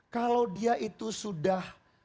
kalau dia itu sudah